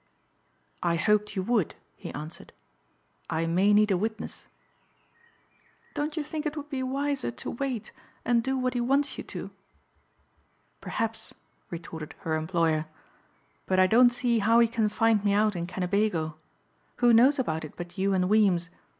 "I hoped you would," he answered, "I may need a witness." "Don't you think it would be wiser to wait and do what he wants you to?" "Perhaps," retorted her employer, "but I don't see how he can find me out in Kennebago. Who knows about it but you and Weems?